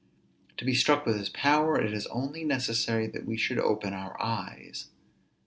To be struck with his power, it is only necessary that we should open our eyes.